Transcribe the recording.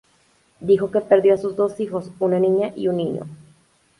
Dijo que perdió a sus dos hijos, una niña y un niño.